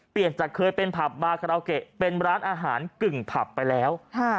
เปลี่ยนจากเคยเป็นผับบาคาราโอเกะเป็นร้านอาหารกึ่งผับไปแล้ว